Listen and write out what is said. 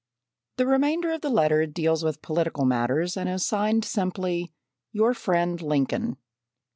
The remainder of the letter deals with political matters and is signed simply "Your Friend Lincoln."